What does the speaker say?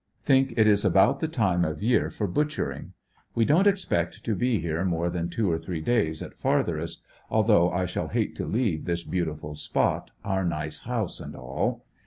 Think it is about the time of year for butchering. We don't expect to be here more than two or three days at fartherest, although I shall hate to leave this beauti ful spot, our nice house and all.